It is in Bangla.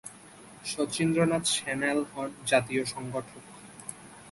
শচীন্দ্রনাথ সান্যাল হন জাতীয় সংগঠক।